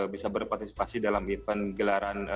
bisa berpartisipasi dalam event gelaran